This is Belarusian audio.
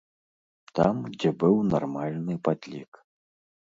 Там, дзе быў нармальны падлік.